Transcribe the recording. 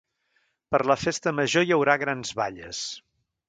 Per la festa major hi haurà grans balles.